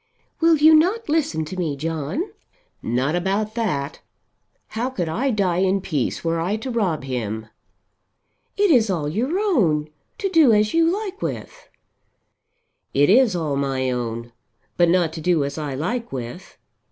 "Will you not listen to me, John?" "Not about that. How could I die in peace were I to rob him?" "It is all your own, to do as you like with." "It is all my own, but not to do as I like with.